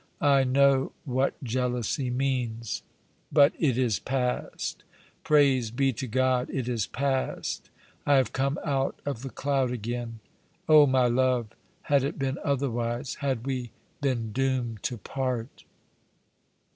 I know what jealousy means. But it is past. Praise be to God, it is past. I have come out of the cloud again. Oh, my love, had it been otherwise I Had we been doomed to part